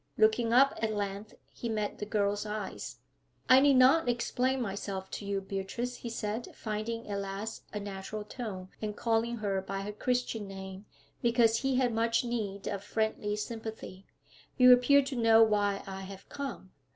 Looking up at length, he met the girl's eyes. 'I need not explain myself to you, Beatrice,' he said, finding at last a natural tone, and calling her by her Christian name because he had much need of friendly sympathy. 'You appear to know why I have come.'